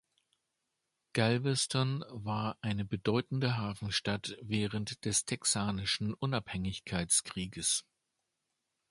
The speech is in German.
Galveston war eine bedeutende Hafenstadt während des Texanischen Unabhängigkeitskrieges.